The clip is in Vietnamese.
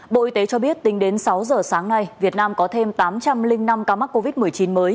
bộ y tế cho biết tính đến sáu giờ sáng nay việt nam có thêm tám trăm linh năm ca mắc covid một mươi chín mới